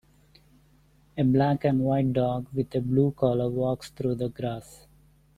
A black and white dog with a blue collar walks through the grass.